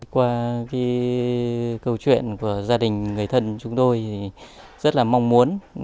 qua câu chuyện của gia đình người thân chúng tôi thì rất là mong muốn